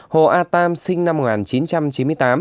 hồ a tam sinh năm một nghìn chín trăm chín mươi tám